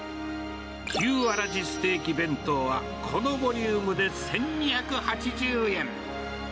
牛わらじステーキ弁当は、このボリュームで１２８０円。